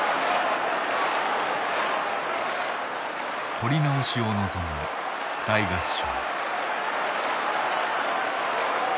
取り直しを望む大合唱。